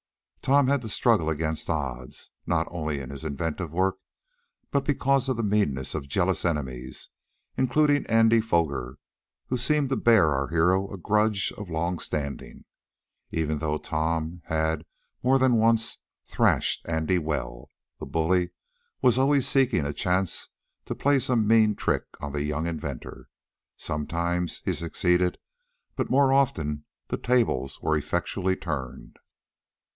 Tom had to struggle against odds, not only in his inventive work, but because of the meanness of jealous enemies, including Andy Foger, who seemed to bear our hero a grudge of long standing. Even though Tom had, more than once, thrashed Andy well, the bully was always seeking a chance to play some mean trick on the young inventor. Sometimes he succeeded, but more often the tables were effectually turned.